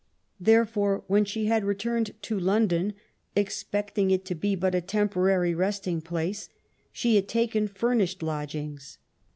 Therefore, when she had returned to London, expecting it to be but a tem porary resting place, she had taken furnished lodgings.